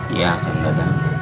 iya akan datang